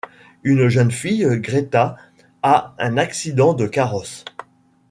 Une jeune fille, Greta, a un accident de carrosse.